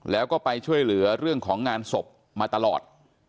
แล้วก็ไปช่วยเหลือเรื่องของงานศพมาตลอด